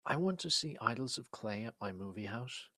I want to see Idols of Clay at my movie house.